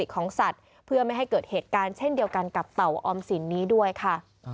ของสัตว์เพื่อไม่ให้เกิดเหตุการณ์เช่นเดียวกันกับเต่าออมสินนี้ด้วยค่ะ